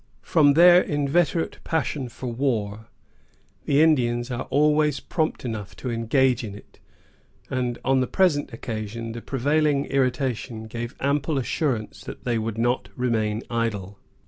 From their inveterate passion for war, the Indians are always prompt enough to engage in it; and on the present occasion, the prevailing irritation gave ample assurance that they would not remain idle.